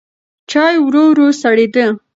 چای ورو ورو سړېده.